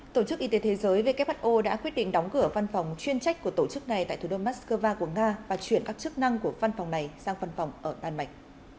tổ chức y tế thế giới who đã quyết định đóng cửa văn phòng chuyên trách của tổ chức này tại thủ đô moscow của nga và chuyển các chức năng của văn phòng này sang văn phòng ở đan mạch